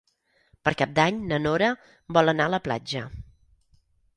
Per Cap d'Any na Nora vol anar a la platja.